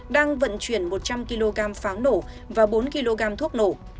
đang vận chuyển một trăm linh kg pháo nổ và bốn kg thuốc nổ